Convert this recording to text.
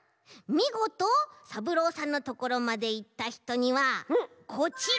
みごとさぶろうさんのところまでいったひとにはこちら。